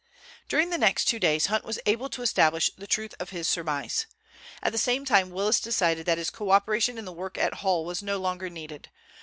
During the next two days Hunt was able to establish the truth of his surmise. At the same time Willis decided that his co operation in the work at Hull was no longer needed.